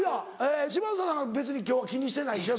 島津さんなんか別に今日は気にしてないでしょ？